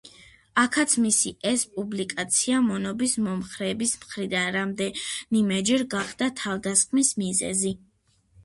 აქაც, მისი ეს პუბლიკაცია, მონობის მომხრეების მხრიდან რამდენიმეჯერ გახდა თავდასხმის მიზეზი.